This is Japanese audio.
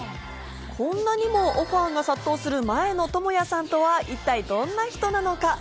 こんなにもオファーが殺到する前野朋哉さんとは一体どんな人なのか。